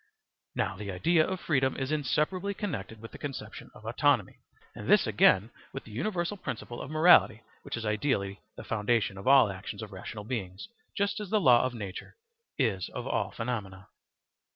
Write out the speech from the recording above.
Now the idea of freedom is inseparably connected with the conception of autonomy, and this again with the universal principle of morality which is ideally the foundation of all actions of rational beings, just as the law of nature is of all phenomena.